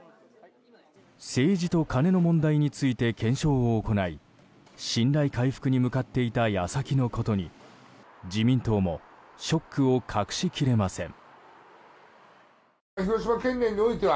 政治とカネの問題について検証を行い信頼回復に向かっていた矢先のことに自民党もショックを隠し切れません。